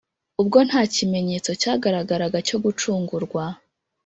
ubwo nta kimenyetso cyagaragaraga cyo gucungurwa,